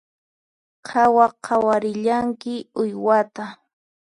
Qhawa qhawarillanki uywataqa